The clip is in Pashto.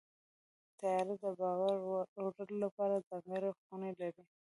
طیاره د بار وړلو لپاره ځانګړې خونې لري.